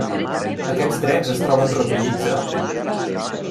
Aquests drets es troben recollits a: